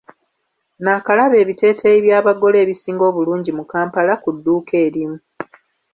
Nnaakalaba ebiteeteeyi by'abagole ebisinga obulungi mu kampala ku dduuka erimu.